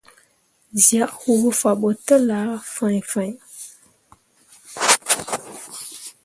Zyak huu fah ɓo telah fãhnfãhn.